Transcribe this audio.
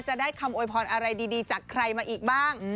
จะได้คำโวยพรอะไรดีจากใครมาอีกบ้าง